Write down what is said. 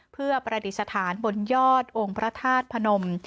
เพื่อประดิษฐานบนยอดองค์พระธาตุพนม